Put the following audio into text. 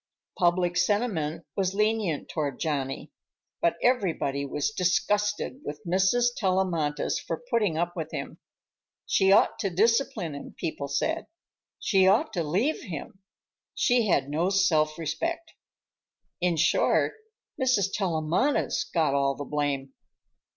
Public sentiment was lenient toward Johnny, but everybody was disgusted with Mrs. Tellamantez for putting up with him. She ought to discipline him, people said; she ought to leave him; she had no self respect. In short, Mrs. Tellamantez got all the blame.